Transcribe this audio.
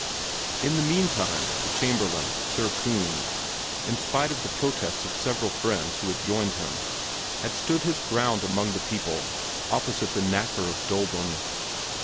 In the mean time the Chamberlain, Sir Kunz, in spite of the protests of several friends who had joined him, had stood his ground among the people, opposite the knacker of Döbeln.